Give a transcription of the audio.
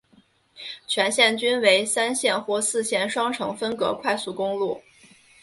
全线均为三线或四线双程分隔快速公路。